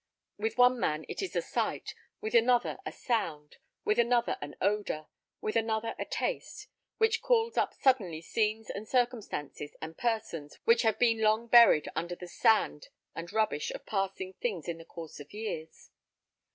With one man it is a sight; with another, a sound; with another, an odour; with another, a taste, which calls up suddenly scenes and circumstances and persons, which have been long buried beneath the sand and rubbish of passing things in the course of years.